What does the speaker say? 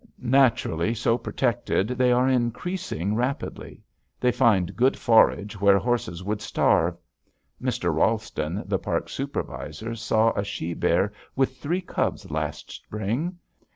Naturally, so protected, they are increasing rapidly. They find good forage where horses would starve. Mr. Ralston, the park supervisor, saw a she bear with three cubs last spring.